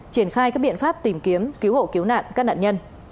triển khai các biện pháp tìm kiếm cứu hộ cứu nạn các nạn nhân